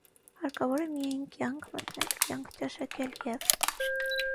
հարկավոր է միայն կյանք մտնել, կյանքը ճաշակել և…